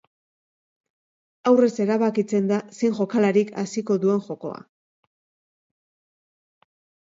Aurrez erabakitzen da zein jokalarik hasiko duen jokoa.